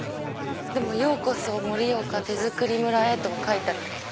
でも「ようこそ盛岡手づくり村へ」と書いてあります。